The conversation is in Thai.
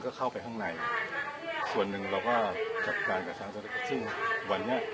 ก็เข้าไปข้างในส่วนหนึ่งเราก็จัดการกระทั้งซึ่งวันนี้